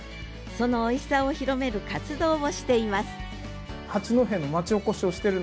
そのおいしさを広める活動をしています汁研。